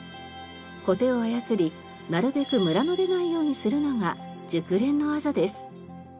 コテを操りなるべくムラの出ないようにするのが熟練の技です。